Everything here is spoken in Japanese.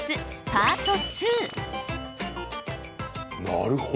パート２！